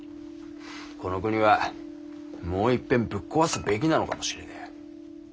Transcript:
この国はもう一遍ぶっ壊すべきなのかもしれねえ。